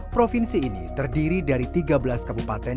provinsi ini terdiri dari tiga belas kabupaten